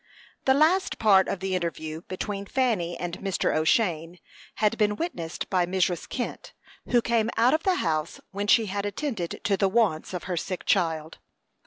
The last part of the interview between Fanny and Mr. O'Shane had been witnessed by Mrs. Kent, who came out of the house when she had attended to the wants of her sick child.